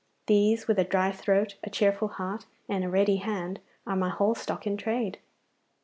These, with a dry throat, a cheerful heart, and a ready hand, are my whole stock in trade.